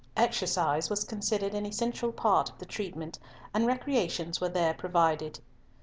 Exercise was considered an essential part of the treatment, and recreations were there provided.